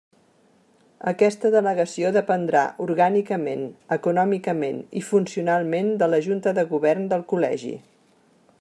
Aquesta delegació dependrà orgànicament, econòmicament i funcionalment de la Junta de Govern del Col·legi.